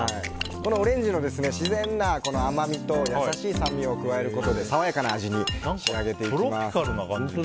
オレンジの自然な甘みと優しい酸味を加えることで爽やかな味に仕上げていきます。